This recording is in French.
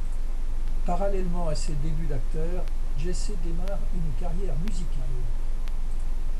Parallèlement à ses débuts d’acteur, Jesse démarre une carrière musicale.